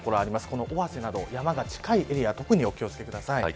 この尾鷲など、山が近いエリアは特にお気を付けください。